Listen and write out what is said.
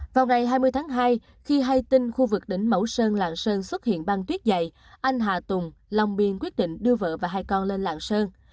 vào ngày hai mươi tháng hai khi hai tinh khu vực đỉnh mẫu sơn lạng sơn xuất hiện băng tuyết dày anh hà tùng long biên quyết định đưa vợ và hai con lên lạng sơn